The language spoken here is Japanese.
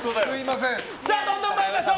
どんどん参りましょう。